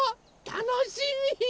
たのしみ！